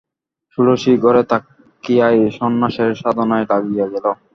ষোড়শী ঘরে থাকিয়াই সন্ন্যাসের সাধনায় লাগিয়া গেল।